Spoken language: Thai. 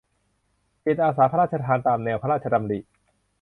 จิตอาสาพระราชทานตามแนวพระราชดำริ